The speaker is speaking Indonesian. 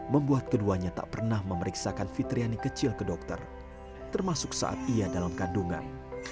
membuat keduanya tak pernah memeriksakan fitriani kecil ke dokter termasuk saat ia dalam kandungan